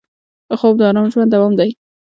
خوب د ارام ژوند دوام دی